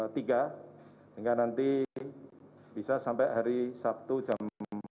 sehingga nanti bisa sampai hari sabtu jam